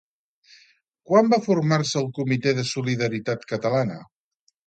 Quan va formar-se el Comitè de Solidaritat Catalana?